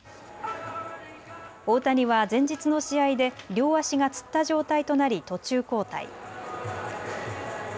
大谷は前日の試合で両足がつった状態となり途中交代。